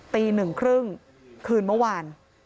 ตีหนึ่งครึ่งคืนเมื่อวาน